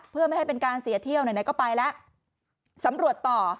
เพื่อไม่ให้เป็นการเสียเที่ยวไหนก็ไปแล้วสำรวจต่อ